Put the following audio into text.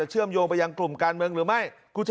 เชื่อมโยงไปยังกลุ่มการเมืองหรือไม่